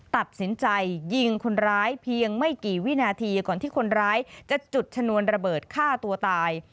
ตัดสินใจยิงคนร้ายเพียงไม่กี่วินาทีก่อนที่คนร้ายจะจุดชนวนระเบิดฆ่าตัวตาย